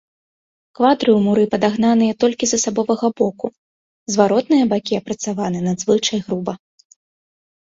Квадры ў муры падагнаныя толькі з асабовага боку, зваротныя бакі апрацаваны надзвычай груба.